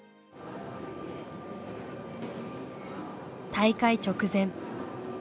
大会直前。